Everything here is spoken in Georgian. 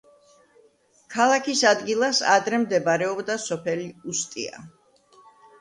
ქალაქის ადგილას ადრე მდებარეობდა სოფელი უსტია.